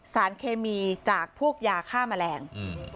สารเคมีจากพวกยาฆ่าแมลง